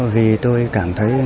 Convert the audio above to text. vì tôi cảm thấy